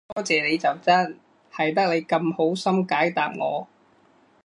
多謝你就真，係得你咁好心解答我